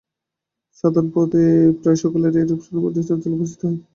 সাধনপথে প্রায় সকলেরই এইরূপ স্নায়বীয় চাঞ্চল্য উপস্থিত হয়।